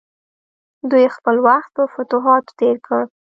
دوی خپل وخت په فتوحاتو تیر کړ.